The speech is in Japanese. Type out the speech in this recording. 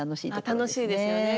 楽しいですよね。